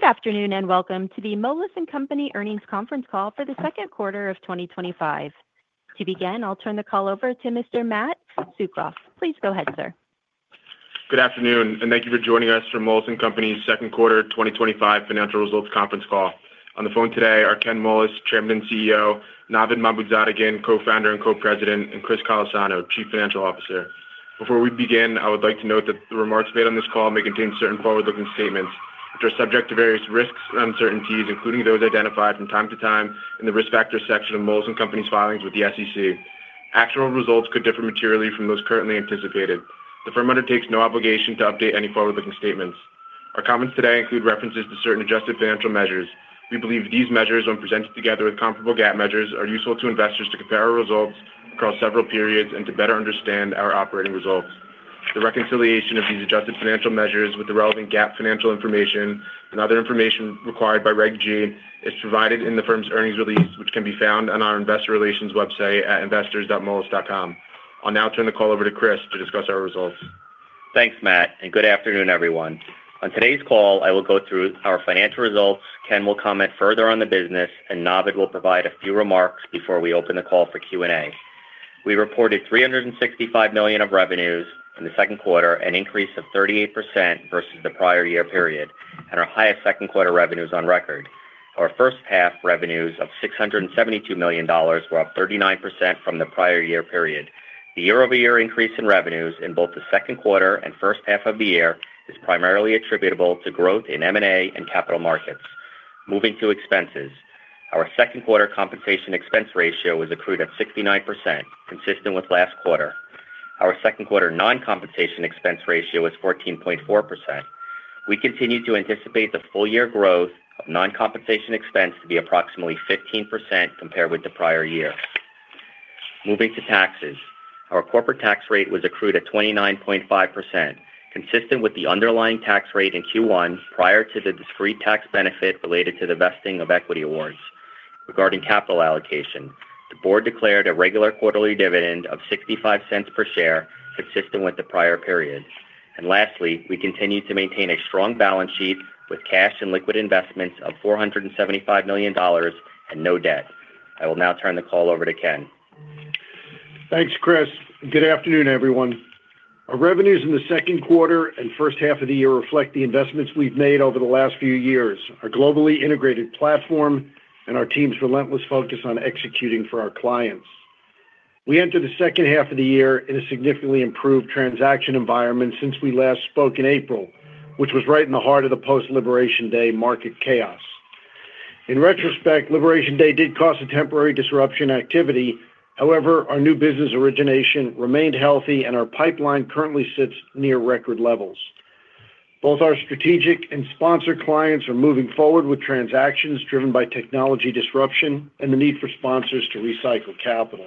Good afternoon and welcome to the Moelis & Company earnings conference call for the second quarter of 2025. To begin, I'll turn the call over to Mr. Matt Tsukroff. Please go ahead, sir. Good afternoon and thank you for joining us for Moelis & Company's second quarter 2025 financial results conference call. On the phone today are Ken Moelis, Chairman and CEO, Navid Mahmoodzadegan, Co-founder and Co-president, and Chris Callesano, Chief Financial Officer. Before we begin, I would like to note that the remarks made on this call may contain certain forward-looking statements which are subject to various risks and uncertainties, including those identified from time to time in the Risk Factors section of Moelis & Company's filings with the SEC. Actual results could differ materially from those currently anticipated. The firm undertakes no obligation to update any forward-looking statements. Our comments today include references to certain adjusted financial measures. We believe these measures, when presented together with comparable GAAP measures, are useful to investors to compare our results across several periods and to better understand our operating results. The reconciliation of these adjusted financial measures with the relevant GAAP financial information and other information required by Reg G is provided in the firm's earnings release which can be found on our investor relations website at investors.moelis.com. I'll now turn the call over to. Chris Callesano to discuss our results. Thanks Matt and good afternoon everyone. On today's call I will go through our financial results. Ken will comment further on the business and Navid will provide a few remarks before we open the call for Q&A. We reported $365 million of revenues in the second quarter, an increase of 38% versus the prior year period and our highest second quarter revenues on record. Our first half revenues of $672 million were up 39% from the prior year period. The year-over-year increase in revenues in both the second quarter and first half of the year is primarily attributable to growth in M&A and capital markets. Moving to expenses, our second quarter compensation expense ratio was accrued at 69%, consistent with last quarter. Our second quarter non-compensation expense ratio was 14.4%. We continue to anticipate the full-year growth of non-compensation expense to be approximately 15% compared with the prior year. Moving to taxes, our corporate tax rate was accrued at 29.5%, consistent with the underlying tax rate in Q1, prior to the discrete tax benefit related to the vesting of equity awards. Regarding capital allocation, the Board declared a regular quarterly dividend of $0.65 per share, consistent with the prior period. Lastly, we continue to maintain a strong balance sheet with cash and liquid investments of $475 million and no debt. I will now turn the call over to Ken. Thanks, Chris. Good afternoon everyone. Our revenues in the second quarter and first half of the year reflect the investments we've made over the last few years, our globally integrated platform, and our team's relentless focus on executing for our clients. We entered the second half of the year in a significantly improved transaction environment since we last spoke in April, which was right in the heart of the post-Liberation Day market chaos. In retrospect, Liberation Day did cause a temporary disruption in activity. However, our new business origination remained healthy and our pipeline currently sits near record levels. Both our strategic and sponsored clients are moving forward with transactions driven by technology disruption and the need for sponsors to recycle capital.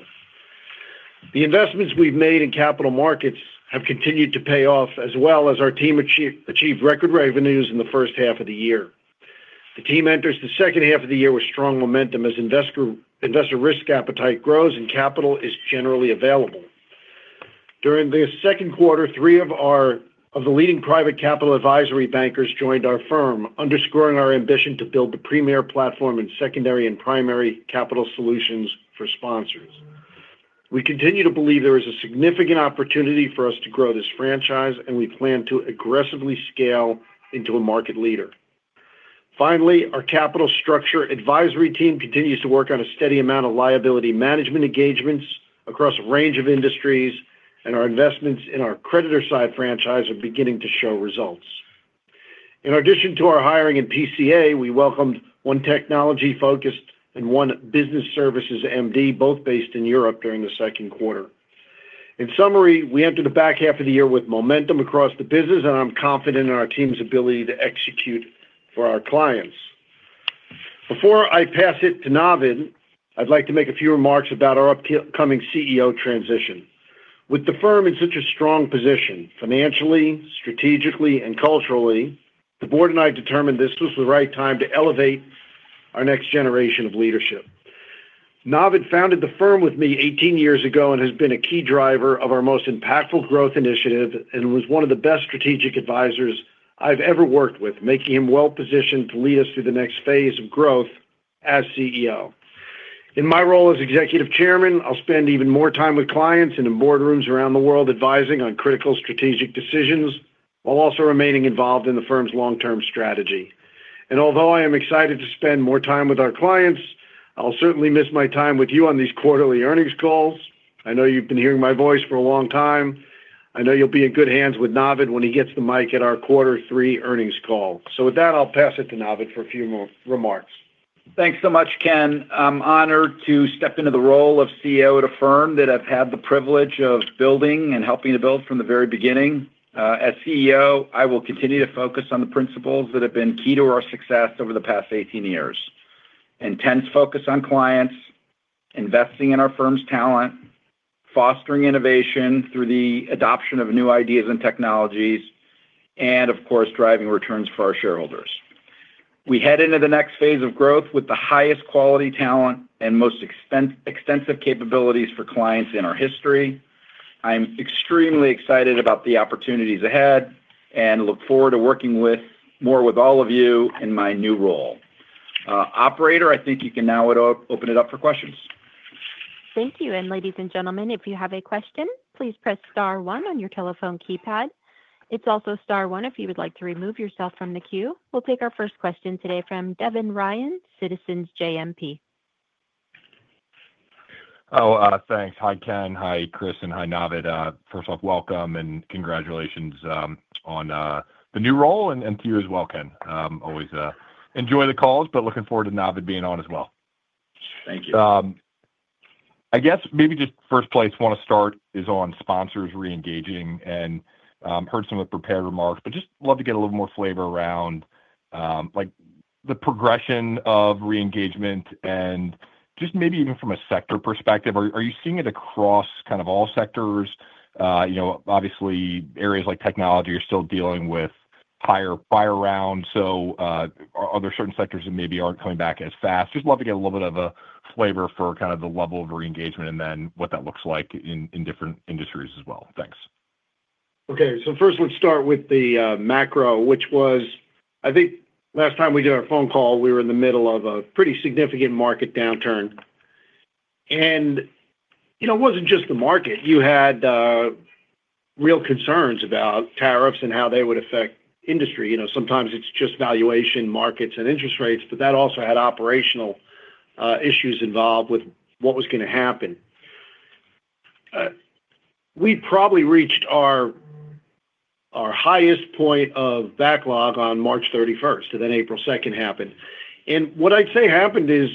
The investments we've made in capital markets have continued to pay off as our team achieved record revenues in the first half of the year. The team enters the second half of the year with strong momentum as investor risk appetite grows and capital is generally available. During the second quarter, three of the leading private capital advisory bankers joined our firm, underscoring our ambition to build the premier platform in secondary and primary capital solutions for sponsors. We continue to believe there is a significant opportunity for us to grow this franchise and we plan to aggressively scale into a market leader. Finally, our capital structure advisory team continues to work on a steady amount of liability management engagements across a range of industries and our investments in our creditor side franchise are beginning to show results. In addition to our hiring in PCA, we welcomed one Technology-focused and one Business Services MD, both based in Europe during the second quarter. In summary, we entered the back half of the year with momentum across the business and I'm confident in our team's ability to execute for our clients. Before I pass it to Navid, I'd like to make a few remarks about our upcoming CEO transition. With the firm in such a strong position financially, strategically, and culturally, the Board and I determined this was the right time to elevate our next generation of leadership. Navid founded the firm with me 18 years ago and has been a key driver of our most impactful growth initiative and was one of the best strategic advisors I've ever worked with, making him well-positioned to lead us through the next phase of growth as CEO. In my role as Executive Chairman, I'll spend even more time with clients and in boardrooms around the world advising on critical strategic decisions while also remaining involved in the firm's long-term strategy. Although I am excited to spend more time with our clients, I'll certainly miss my time with you on these quarterly earnings calls. I know you've been hearing my voice for a long time. I know you'll be in good hands with Navid when he gets the mic at our quarter 3 earnings call. With that, I'll pass it to Navid for a few more remarks. Thanks so much, Ken. I'm honored to step into the role of CEO at a firm that I've had the privilege of building and helping to build from the very beginning. As CEO, I will continue to focus on the principles that have been key to our success over the past 18 years: intense focus on clients, investing in our firm's talent, fostering innovation through the adoption of new ideas and technologies, and of course, driving returns for our shareholders. We head into the next phase of growth with the highest quality talent and most extensive capabilities for clients in our history. I'm extremely excited about the opportunities ahead and look forward to working more with all of you in my new role. Operator, I think you can now open it up for questions. Thank you. Ladies and gentlemen, if you have a question, please press star one on your telephone keypad. It's also star one if you would like to remove yourself from the queue. We'll take our first question today from Devin Ryan, Citizens JMP. Oh, thanks. Hi Ken. Hi Chris. Hi Navid. First off, welcome and congratulations on the new role and to you as well, Ken. Always enjoy the calls, looking forward to Navid being on as well. Thank you. I guess maybe just first place want to start is on sponsors re-engaging. I heard some of the prepared remarks, but just love to get a little more flavor around the progression of re-engagement and maybe even from a sector perspective. Are you seeing it across kind of all sectors? You know, obviously areas like technology are still dealing with higher prior rounds. Are there certain sectors that maybe aren't coming back as fast? Just love to get a little bit of a flavor for the level of re-engagement and then what that looks like in different industries as well. Thanks. Okay, so first let's start with the macro, which was I think last time we did our phone call we were in the middle of a pretty significant market downturn. You know, it wasn't just the market. You had real concerns about tariffs and how they would affect industry. Sometimes it's just valuation markets and interest rates, but that also had operational issues involved with what was going to happen. We probably reached our highest point of backlog on March 31st, and then April 2nd happened. What I'd say happened is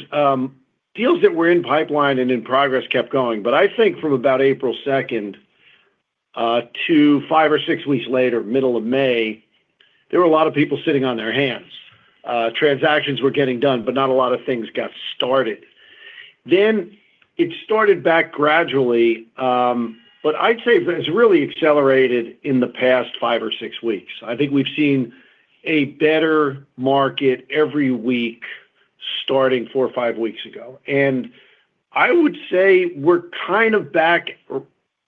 deals that were in pipeline and in progress kept going. I think from about April 2nd to five or six weeks later, middle of May, there were a lot of people sitting on their hands, transactions were getting done, but not a lot of things got started. It started back gradually, but I'd say it's really accelerated in the past five or six weeks. I think we've seen a better market every week starting four or five weeks ago. I would say we're kind of back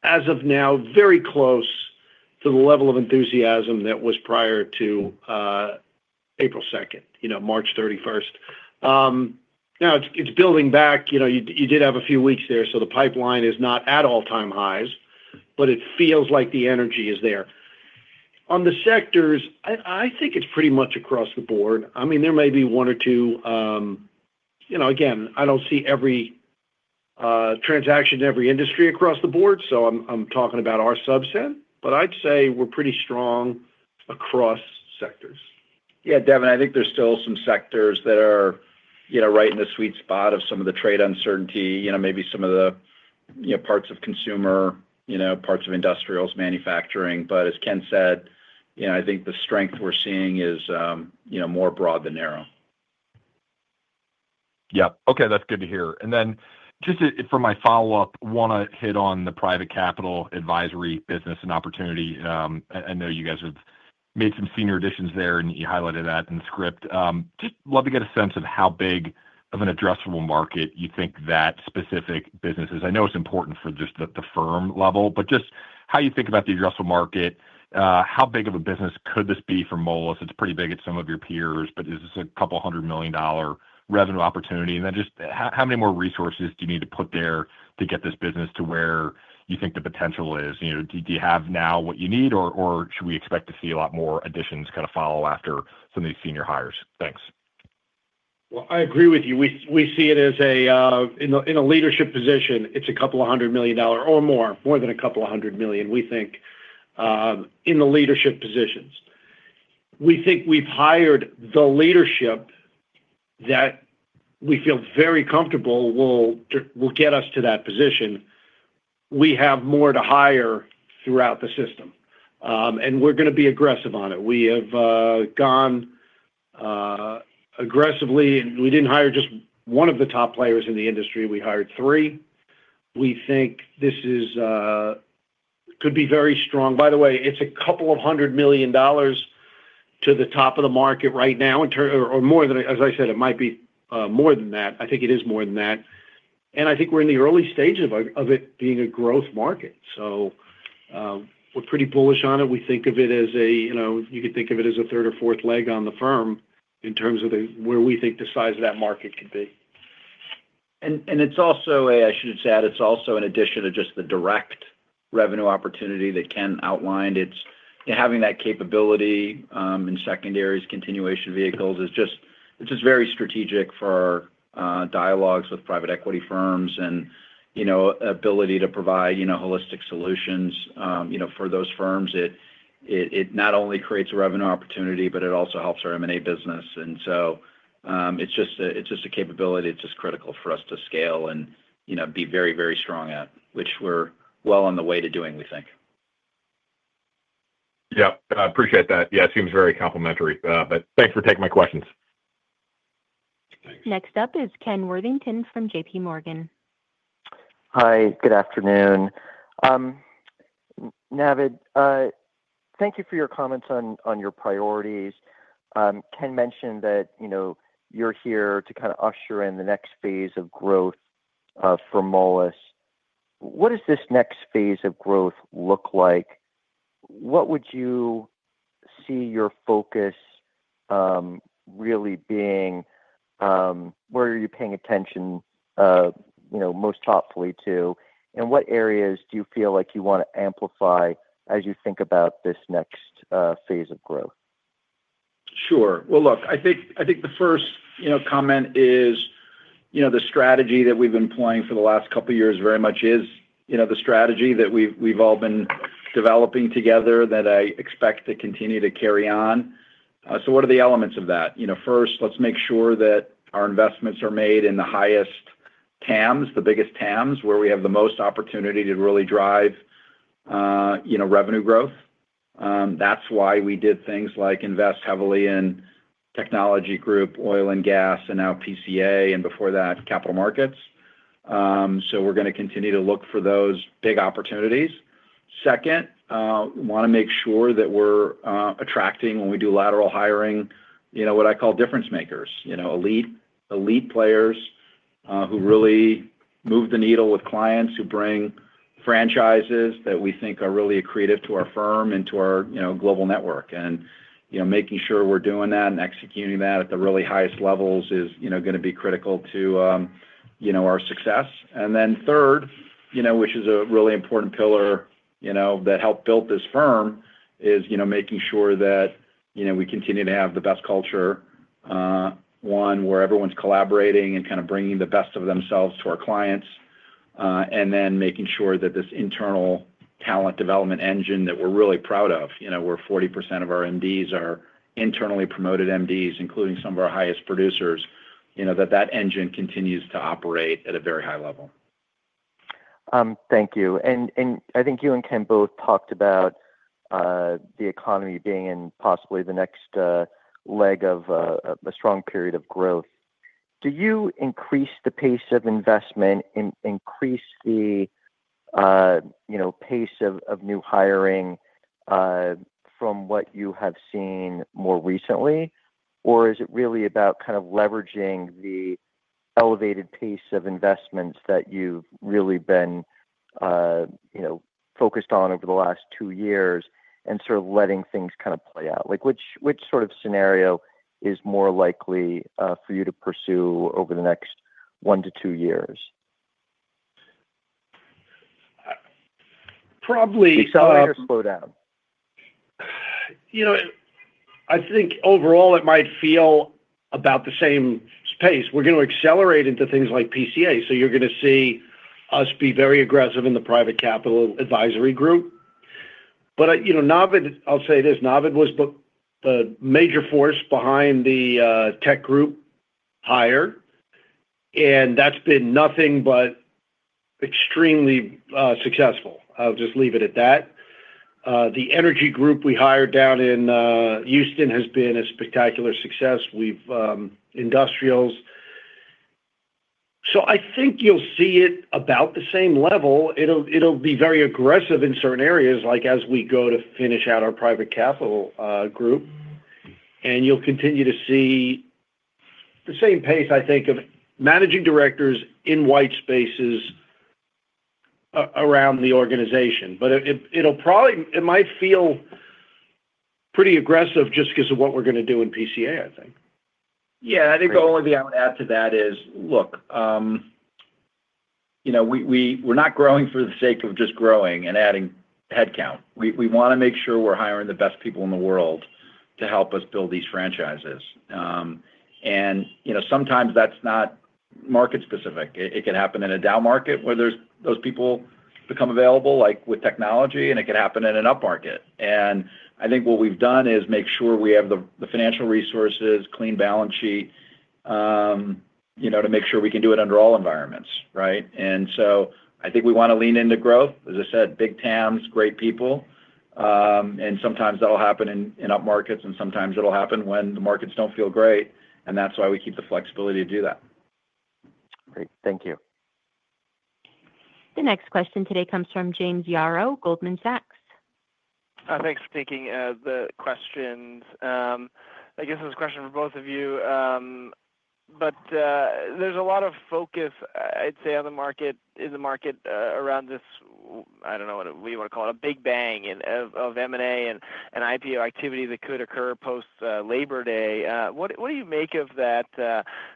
as of now very close to the level of enthusiasm that was prior to April 2nd. You know, March 31st. Now it's building back. You did have a few weeks there. The pipeline is not at all-time highs, but it feels like the energy is there on the sectors. I think it's pretty much across the board. There may be one or two. I don't see every transaction, every industry across the board. I'm talking about our subset. I'd say we're pretty strong across sectors. Yeah, Devin, I think there's still some sectors that are right in the sweet spot of some of the trade uncertainty, maybe some of the parts of consumer, parts of industrials, manufacturing. As Ken said, I think the strength we're seeing is more broad than narrow. Yeah, okay, that's good to hear. Just for my follow up, want to hit on the private capital advisory business and opportunity. I know you guys have made some senior additions there and you highlighted that in the script. Just love to get a sense of how big of an addressable market you think that specific business is. I know it's important for just the firm level, but just how you think about the addressable market. How big of a business could this be for Moelis? It's pretty big at some of your peers. Is this a couple hundred million dollar revenue opportunity and then just how many more resources do you need to put there to get this business to where you think the potential is? Do you have now what you need or should we expect to see a lot more additions kind of follow after some of these senior hires? Thanks. I agree with you. We see it as, in a leadership position, it's a couple of hundred million dollars or more. More than a couple of hundred million. We think in the leadership positions, we've hired the leadership that we feel very comfortable will get us to that position. We have more to hire throughout the system and we're going to be aggressive on it. We have gone aggressively and we didn't hire just one of the top players in the industry. We hired three. We think this could be very strong. By the way, it's a couple of hundred million dollars to the top of the market right now or more than, as I said, it might be more than that. I think it is more than that and I think we're in the early stages of it being a growth market, so we're pretty bullish on it. We think of it as, you know, you could think of it as a third or fourth leg on the firm in terms of where we think the size of that market could be. It's also, I should add, in addition to just the direct revenue opportunity that Ken outlined, having that capability in secondaries, continuation vehicles is just very strategic for dialogues with private equity firms and the ability to provide holistic solutions for those firms. It not only creates a revenue opportunity, but it also helps our M&A business. It's just a capability that's critical for us to scale and be very, very strong at, which we're well on the way to doing, we think. I appreciate that. Yeah, it seems very complimentary, but thanks for taking my questions. Next up is Ken Worthington from JPMorgan. Hi, good afternoon. Navid, thank you for your comments on your priorities. Ken mentioned that, you know, you're here to kind of usher in the next phase of growth for Moelis. What does this next phase of growth look like? What would you see your focus really being? Where are you paying attention most thoughtfully to, and what areas do you feel like you want to amplify as you think about this next phase of growth? Sure. I think the first comment the strategy that we've been playing for the last couple years very much is the strategy that we've all been developing together that I expect to continue to carry on. What are the elements of that? First, let's make sure that our investments are made in the highest TAMs, the biggest TAMs, where we have the most opportunity to really drive revenue growth. That's why we did things like invest heavily in technology group, oil and gas, and now PCA, and before that, capital markets. We're going to continue to look for those big opportunities. Second, we want to make sure that we're attracting, when we do lateral hiring, what I call difference makers, elite players who really move the needle with clients, who bring franchises that we think are really accretive to our firm and to our global network. Making sure we're doing that and executing that at the really highest levels is going to be critical to our success. Third, which is a really important pillar that helped build this firm, is making sure that we continue to have the best culture, one where everyone's collaborating and kind of bringing the best of themselves to our clients, and then making sure that this internal talent development engine that we're really proud of, where 40% of our MDs are internally promoted MDs, including some of our highest producers, that that engine continues to operate at a very high level. Thank you. I think you and Ken both talked about the economy being in possibly the next leg of a strong period of growth. Do you increase the pace of investment, increase the pace of new hiring from what you have seen more recently, or is it really about kind of leveraging the elevated pace of investments that you've really been focused on over the last two years and sort of letting things kind of play out, like which sort of scenario is more likely for you to pursue over the next one to two years? Probably accelerators slow down. I think overall it might feel about the same pace. We're going to accelerate into things like PCA. You're going to see us be very aggressive in the private capital advisory group. Navid, I'll say this. Navid was a major force behind the tech group hire, and that's been nothing but extremely successful. I'll just leave it at that. The energy group we hired down in Houston has been a spectacular success. We've industrials. I think you'll see it about the same level. It'll be very aggressive in certain areas, like as we go to finish out our private capital group. You'll continue to see the same pace, I think, of managing directors in white spaces around the organization. It'll probably feel pretty aggressive just because of what we're going to do in PCA. I think the only thing I would add to that is, look. You. We're not growing for the sake of just growing and adding headcount. We want to make sure we're hiring the best people in the world to help us build these franchises. And. Sometimes that's not market specific. It can happen in a down market where those people become available, like with technology. It can happen in an up market. I think what we've done is make sure we have the financial resources, clean balance sheet to make sure we can do it under all environments. I think we want to lean into growth, as I said, big TAMs, great people. Sometimes that'll happen in up markets, and sometimes it'll happen when the markets don't feel great. That's why we keep the flexibility to do that. Great. Thank you. The next question today comes from James Yaro, Goldman Sachs. Thanks for taking the questions. I guess it was a question for both of you. There's a lot of focus, I'd say, in the market around this. I don't know what you want to call it, a big bang of M&A and IPO activity that could occur post-Labor Day. What do you make of that,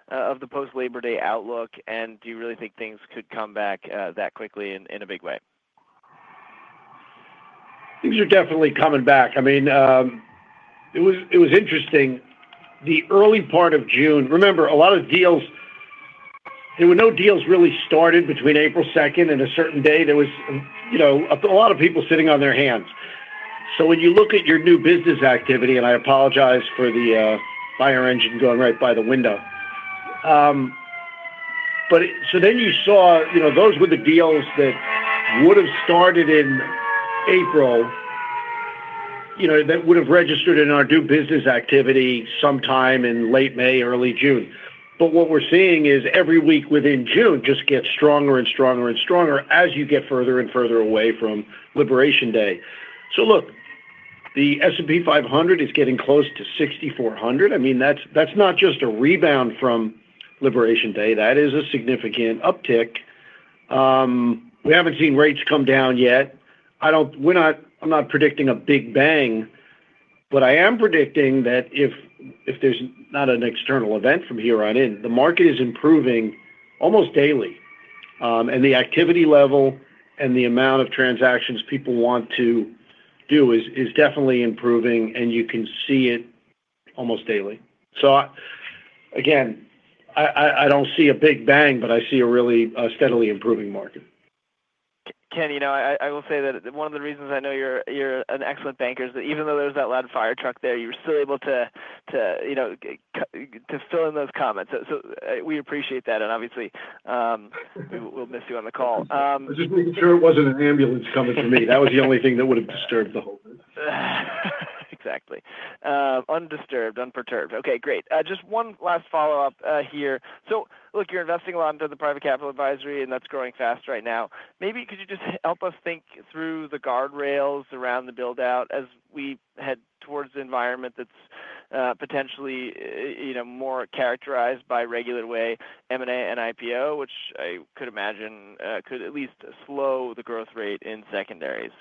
of the post-Labor Day outlook? Do you really think things could come back that quickly in a big way? Things are definitely coming back. I mean, it was interesting. The early part of June, remember, a lot of deals, there were no deals really started between April 2nd and a certain day. There was a lot of people sitting on their hands. When you look at your new business activity—I apologize for the fire engine going right by the window—those were the deals that would have started in April, that would have registered in our new business activity sometime in late May, early June. What we're seeing is every week within June just gets stronger and stronger and stronger as you get further and further away from Liberation Day. The S&P 500 is getting close to 6400. That's not just a rebound from Liberation Day. That is a significant uptick. We haven't seen rates come down yet. I'm not predicting a big bang, but I am predicting that if there's not an external event, from here on in, the market is improving almost daily. The activity level and the amount of transactions people want to do is definitely improving. You can see it almost daily. I don't see a big bang, but I see a really steadily improving market. Ken, I will say that one of the reasons I know you're an excellent banker is that even though there's that loud fire truck there, you were still able to fill in those comments. We appreciate that. Obviously, we'll miss you on the call. I was just making sure it wasn't an ambulance coming to me. That was the only thing that would have disturbed the whole business. Exactly. Undisturbed, unperturbed. Okay, great. Just one last follow-up here. Look, you're investing a lot into the private capital advisory and that's growing fast right now. Maybe could you just help us think through the guardrails around the buildout as we head towards an environment that's potentially more characterized by regulated M&A and IPO, which I could imagine could at least slow the growth rate in secondaries.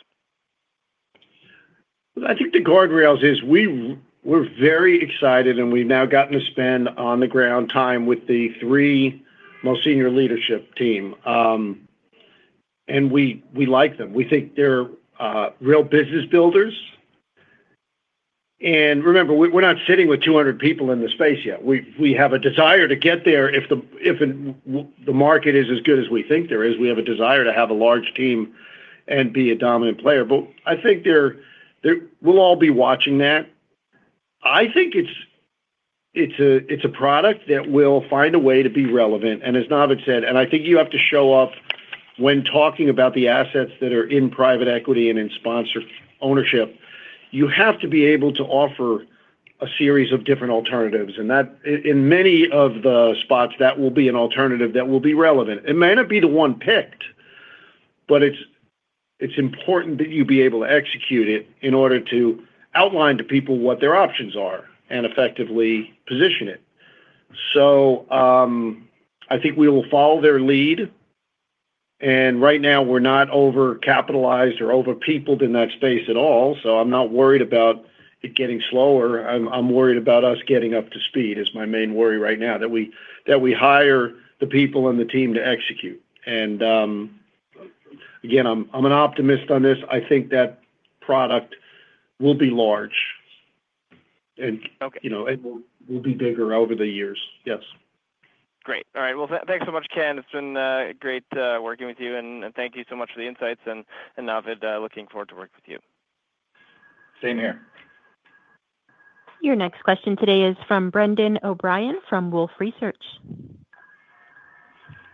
I think the guardrails is. We're very excited and we've now gotten to spend on the ground time with the three most senior leadership team and we like them. We think they're real business builders. Remember, we're not sitting with 200 people in the space yet. We have a desire to get there if the market is as good as we think there is. We have a desire to have a large team and be a dominant player. I think we'll all be watching that. I think it's a product that will find a way to be relevant. As Navid said, I think you have to show up when talking about the assets that are in private equity and in sponsor ownership, you have to be able to offer a series of different alternatives and that in many of the spots that will be an alternative that will be relevant. It may not be the one picked up, but it's important that you be able to execute it in order to outline to people what their options are and effectively position it. I think we will follow their lead. Right now we're not over-capitalized or over-peopled in that space at all. I'm not worried about it getting slower. I'm worried about us getting up to speed is my main worry right now that we hire the people and the team to execute. Again, I'm an optimist on this. I think that product will be large and you know, it will be bigger over the years. Yes. Great. All right, thanks so much, Ken. It's been great working with you, and thank you so much for the insights. Navid, looking forward to working with you. Same here. Your next question today is from Brendan O'Brien from Wolfe Research.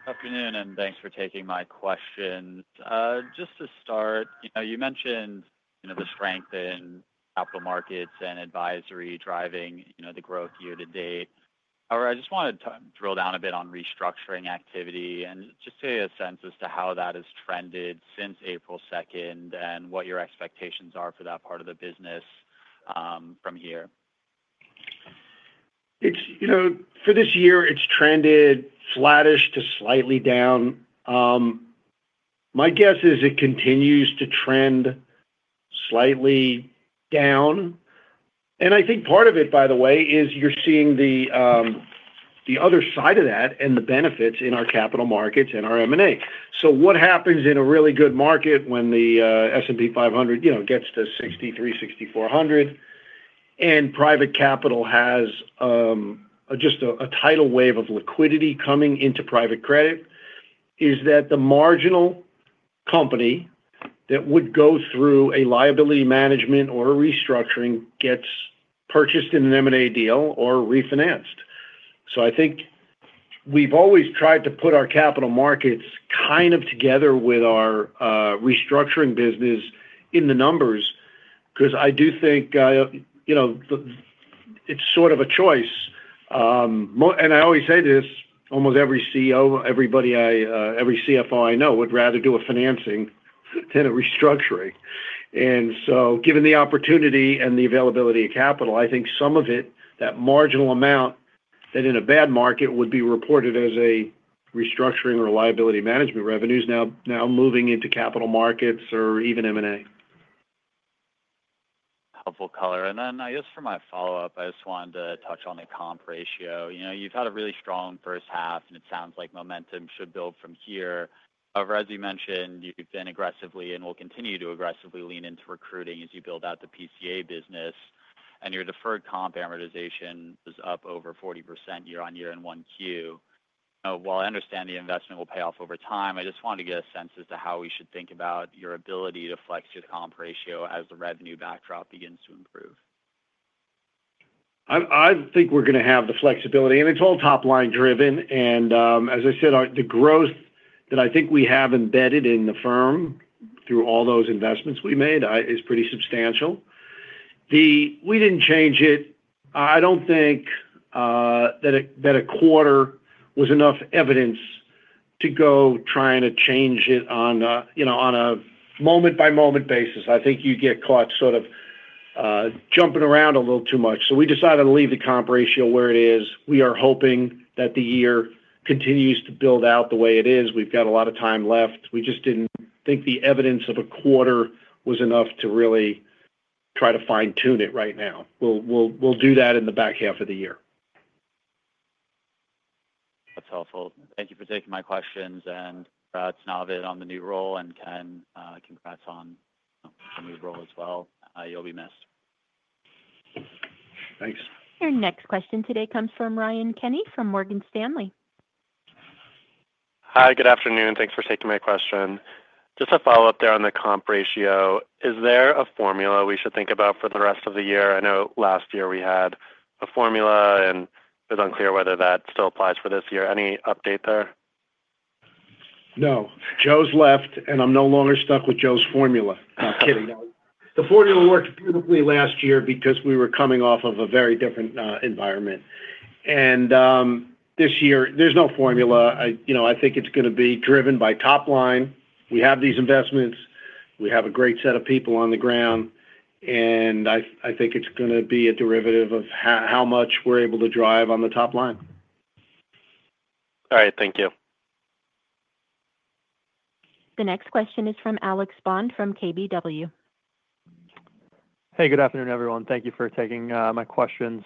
Afternoon and thanks for taking my question. Just to start, you mentioned the strength in capital markets advisory driving the growth year to date. However, I just wanted to drill down a bit on restructuring activity and just get a sense as to how that has trended since April 2nd and what your expectations are for that part of the business from here. It's, you know, for this year it's trended flattish to slightly down. My guess is it continues to trend slightly down. I think part of it, by the way, is you're seeing the other side of that and the benefits in our capital markets and our M&A. What happens in a really good market when the S&P 500, you know, gets to 6,300-6,400 and private capital has just a tidal wave of liquidity coming into private credit. Is that the marginal company that would go through a liability management or restructuring gets purchased in an M&A deal or refinanced? I think we've always tried to put our capital markets kind of together with our restructuring business in the numbers because I do think, you know, it's sort of a choice. I always say this, almost every CEO, every CFO I know would rather do a financing than a restructuring. Given the opportunity and the availability of capital, I think some of it, that marginal amount that in a bad market would be reported as a restructuring or liability management revenue, is now moving into capital markets or even M&A. Helpful color. For my follow up, I just wanted to touch on the comp ratio. You know, you've had a really strong first half, and it sounds like momentum should build from here. However, as you mentioned, you've been aggressively and will continue to aggressively lean into recruiting as you build out the PCA business, and your deferred comp amortization is up over 40% year on year in 1Q. While I understand the investment will pay off over time, I just wanted to get a sense as to how we should think about your ability to flex your comp ratio as the revenue backdrop begins to improve. I think we're going to have the flexibility and it's all top line driven. As I said, the growth that I think we have embedded in the firm through all those investments we made is pretty substantial. We didn't change it. I don't think that a quarter was enough evidence to go trying to change it on a moment by moment basis. I think you get caught sort of jumping around a little too much. We decided to leave the comp ratio where it is. We are hoping that the year continues to build out the way it is. We've got a lot of time left. We just didn't think the evidence of a quarter was enough to really try to fine tune it right now. We'll do that in the back half of the year. That's helpful. Thank you for taking my questions on the new role. Ken, congrats on the new role as well. You'll be missed. Thanks. Your next question today comes from Ryan Kenny from Morgan Stanley. Hi, good afternoon. Thanks for taking my question. Just a follow up there on the comp ratio. Is there a formula we should think about for the rest of the year? I know last year we had and it's unclear whether that still applies for this year. Any update there? No. Joe's left and I'm no longer stuck with Joe's formula. The formula worked beautifully last year because we were coming off of a very different environment. This year there's no formula. I think it's going to be driven by top line. We have these investments, we have a great set of people on the ground, and I think it's going to be a derivative of how much we're able to drive on the top line. All right, thank you. The next question is from Alex Bond from KBW. Hey, good afternoon, everyone. Thank you for taking my questions.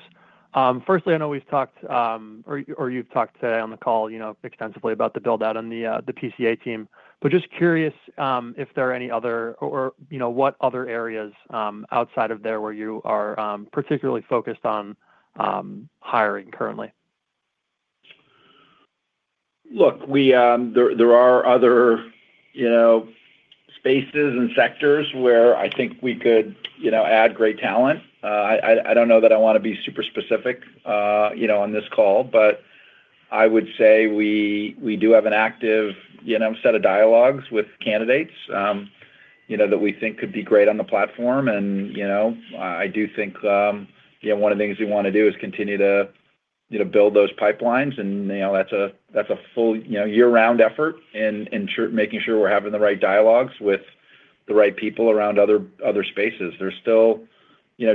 Firstly, I know we've talked or you've talked today on the call extensively about the build out on the PCA team. Just curious if there are any other or what other areas outside of there where you are particularly focused on hiring currently. Look, there are other spaces and sectors where I think we could add great talent. I don't know that I want to be super specific on this call, but I would say we do have an active set of dialogues with candidates that we think could be great on the platform. I do think one of the things we want to do is continue to build those pipelines, and that's a full year-round effort in making sure we're having the right dialogues with the right people around other spaces.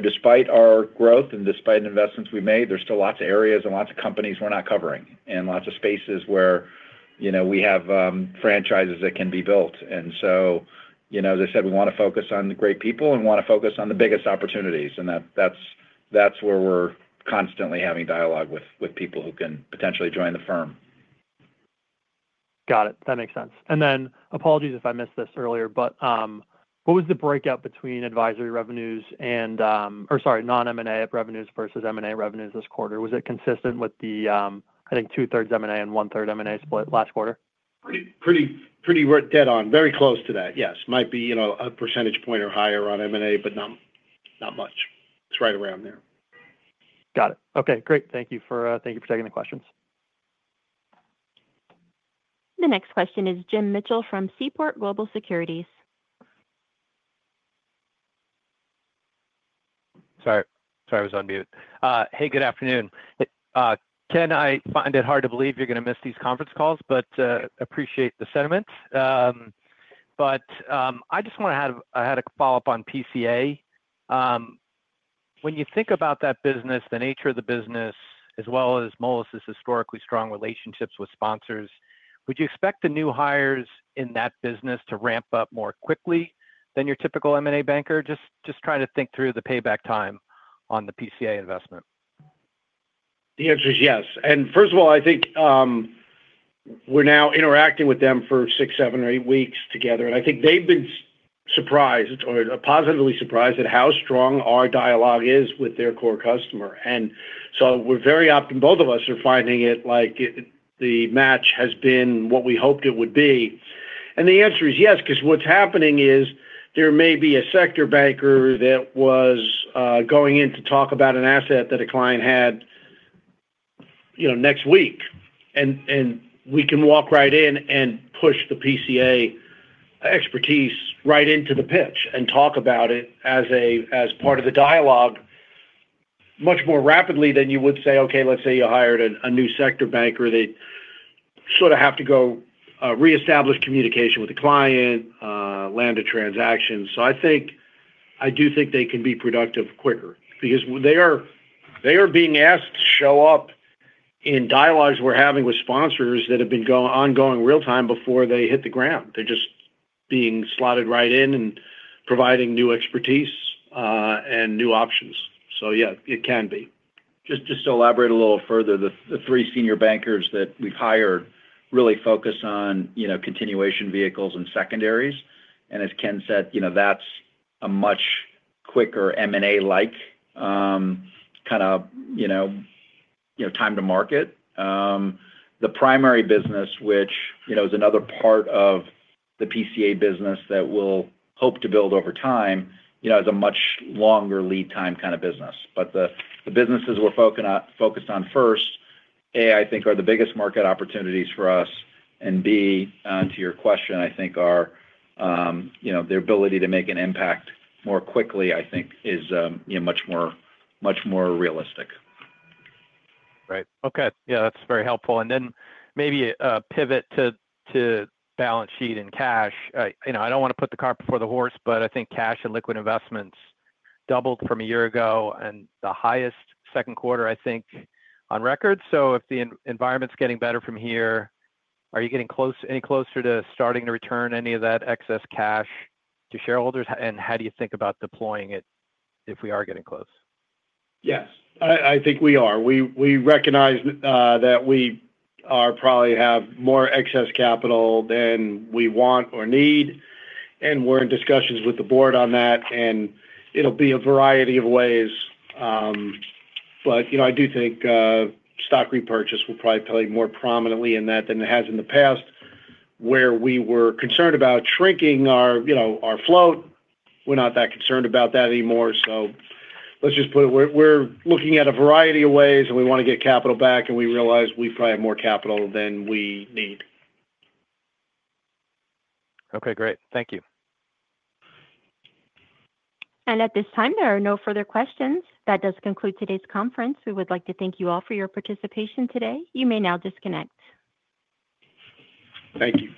Despite our growth and despite investments we made, there's still lots of areas and lots of companies we're not covering and lots of spaces where we have franchises that can be built. As I said, we want to focus on the great people and want to focus on the biggest opportunities. That's where we're constantly having dialogue with people who can potentially join the firm. Got it. That makes sense. Apologies if I missed this earlier, but what was the breakout between advisory revenues and, or, sorry, non-M&A revenues versus M&A revenues this quarter? Was it consistent with the, I think, 2/3 M&A and 1/3 non-M&A split last quarter? Pretty dead on. Very close to that. Yes. Might be, you know, a percentage point or higher on M&A, but not much. It's right around there. Got it. Okay, great. Thank you for taking the questions. The next question is Jim Mitchell from Seaport Global Securities. Sorry, I was on mute. Hey, good afternoon, Ken. I find it hard to believe you're going to miss these conference calls, but appreciate the sentiments. I just want to have, I had a follow up on PCA. When you think about that business, the nature of the business as well as Moelis & Company's historically strong relationships with sponsors, would you expect the new hires in that business to ramp up more quickly than your typical M&A banker? Just trying to think through the payback time on the PCA investment. The answer is yes. First of all, I think we're now interacting with them for six, seven, or eight weeks together, and I think they've been surprised or positively surprised at how strong our dialogue is with their core customer. We're very often, both of us are finding it like the match has been what we hoped it would be. The answer is yes, because what's happening is there may be a sector banker that was going in to talk about an asset that a client had next week, and we can walk right in and push the PCA expertise right into the pitch and talk about it as part of the dialogue much more rapidly than you would say, okay, let's say you hired a new sector banker. They sort of have to go reestablish communication with the client, land a transaction. I do think they can be productive quicker because they are being asked to show up in dialogues we're having with sponsors that have been ongoing real time before they hit the ground. They're just being slotted right in and providing new expertise and new options. Yeah, it can be. Just to elaborate a little further, the three senior bankers that we've hired really focus on continuation vehicles and secondaries. As Ken said, that's a much quicker M&A-like kind of time-to-market. The primary business, which is another part of the PCA business that we'll hope to build over time, is a much longer lead time kind of business. The businesses we're focused on first, A, I think are the biggest market opportunities for us, and B, to your question, I think their ability to make an impact more quickly is much more realistic. Right, okay, yeah, that's very helpful. Maybe pivot to balance sheet and cash. I don't want to put the cart before the horse, but I think cash and liquid investments doubled from a year ago and the highest second quarter, I think on record. If the environment's getting better from here, are you getting any closer to starting to return any of that excess cash to shareholders? How do you think about deploying it if we are getting close? Yes, I think we are. We recognize that we probably have more excess capital than we want or need, and we're in discussions with the board on that. It'll be a variety of ways. I do think stock repurchase will probably play more prominently in that than it has in the past where we were concerned about shrinking our float. We're not that concerned about that anymore. Let's just put it, we're looking at a variety of ways, and we want to get capital back and we realize we probably have more capital than we need. Okay, great. Thank you. At this time, there are no further questions. That does conclude today's conference. We would like to thank you all for your participation today. You may now disconnect. Thank you.